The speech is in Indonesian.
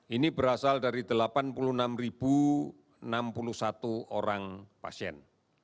ini berasal dari delapan puluh enam enam puluh satu orang pasien